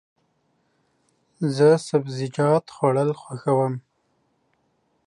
زه سبزیجات خوړل خوښوم.